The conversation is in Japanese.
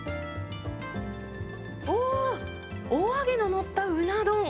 おおっ、お揚げの載ったうな丼。